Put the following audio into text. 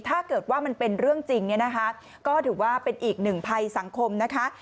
ถ้าเกิดว่ามันเป็นเรื่องจริงเนี่ยนะคะก็ถือว่าเป็นอีกหนึ่งภัยสังคมนะคะ